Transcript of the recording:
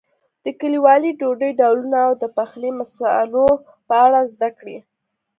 د کلیوالي ډوډۍ ډولونو او د پخلي مسالو په اړه زده کړئ.